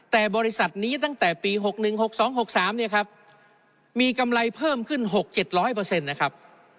แต่บริษัทนี้ตั้งแต่ปี๖๑๖๒๖๓เนี่ยครับมีกำไรเพิ่มขึ้น๖๗๐๐นะครับ